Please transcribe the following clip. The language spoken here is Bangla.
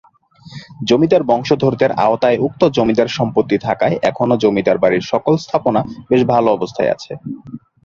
জমিদার বংশধরদের আওতায় উক্ত জমিদার সম্পত্তি থাকায় এখনো জমিদার বাড়ির সকল স্থাপনা বেশ ভালো অবস্থায় আছে।